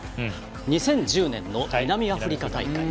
２０１０年の南アフリカ大会。